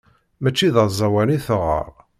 Mačči d aẓawan i teɣɣar.